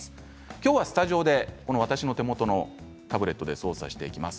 今日は、スタジオで私の手元のタブレットで操作していきます。